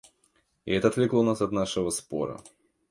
Это отвлекло нас от нашего спора.